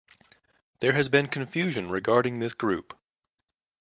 There has been confusion regarding this group.